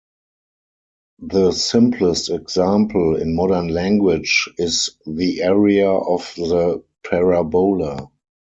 The simplest example in modern language is the area of the parabola.